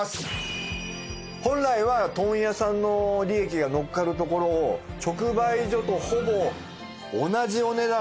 本来は問屋さんの利益がのっかるところを直売所とほぼ同じお値段で。